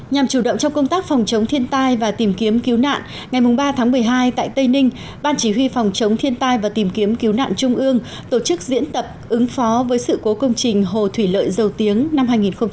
nhằm chủ động trong công tác phòng chống thiên tai và tìm kiếm cứu nạn ngày ba tháng một mươi hai tại tây ninh ban chỉ huy phòng chống thiên tai và tìm kiếm cứu nạn trung ương tổ chức diễn tập ứng phó với sự cố công trình hồ thủy lợi dầu tiếng năm hai nghìn một mươi chín